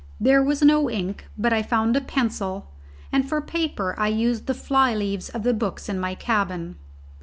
There was no ink, but I found a pencil, and for paper I used the fly leaves of the books in my cabin.